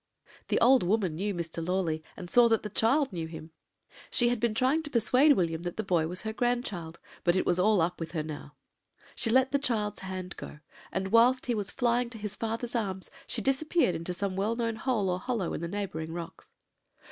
"The old woman knew Mr. Lawley, and saw that the child knew him. She had been trying to persuade William that the boy was her grandchild; but it was all up with her now; she let the child's hand go, and whilst he was flying to his father's arms, she disappeared into some well known hole or hollow in the neighbouring rocks.